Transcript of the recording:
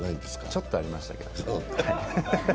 ちょっとありましたけど。